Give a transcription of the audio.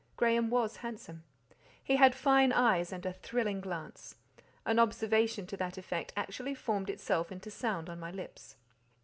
Graham was handsome; he had fine eyes and a thrilling glance. An observation to that effect actually formed itself into sound on my lips.